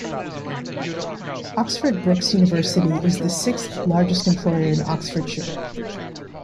Oxford Brookes University is the sixth largest employer in Oxfordshire.